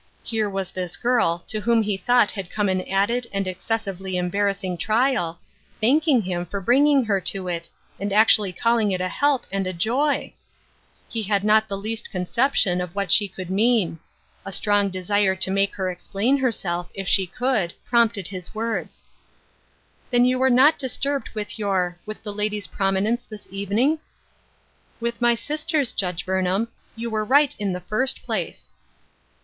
Here was this girl, to whom he thought had come an added and excessively embarrassing trial, thanking him for bringing her into it, and actually calling it a help and a joy I He had not the least conception of what she could mean. A strong desire to make her explain herself, if she could, prompted his words :" Then you were not disturbed with your — with the lady's prominence this evening ?"" With my sister's. Judge Burnham. You were right in the first place."